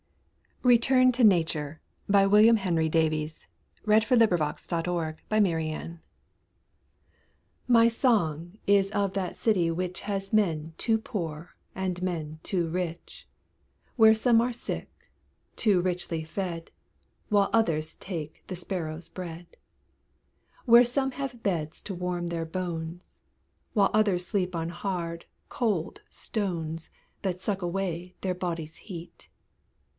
Save some fine lady, all in white, Comes like a pillar of pure snow. RETURN TO NATURE My song is of that city which Has men too poor and men too rich; Where some are sick, too richly fed, While others take the sparrows' bread: Where some have beds to warm their bones, While others sleep on hard, cold stones That suck away their bodies' heat.